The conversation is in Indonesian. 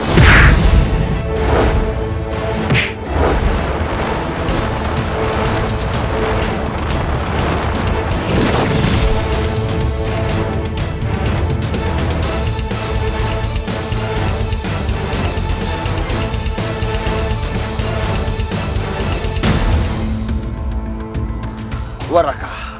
kau mati saja disana